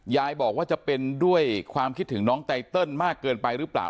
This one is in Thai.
ยายบอกว่าจะเป็นด้วยความคิดถึงน้องไตเติลมากเกินไปหรือเปล่า